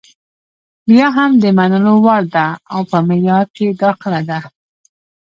بیا هم د منلو وړ ده او په معیار کې داخله ده.